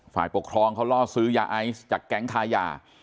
ฝ่ายปกครองเขาล่อซื้อยาไอซ์จากแก๊งค้ายา